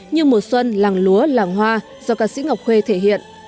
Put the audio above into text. như mùa xuân làng lúa làng hoa do ca sĩ ngọc khuê thể hiện